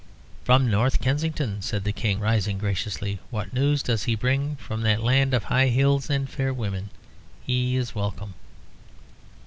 "From North Kensington?" said the King, rising graciously. "What news does he bring from that land of high hills and fair women? He is welcome."